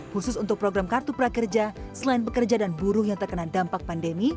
khusus untuk program kartu prakerja selain pekerja dan buruh yang terkena dampak pandemi